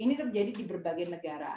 ini terjadi di berbagai negara